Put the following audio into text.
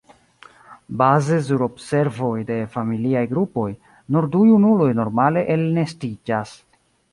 Baze sur observoj de familiaj grupoj, nur du junuloj normale elnestiĝas.